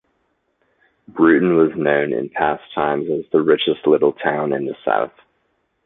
Brewton was known in past times as the richest little town in the South.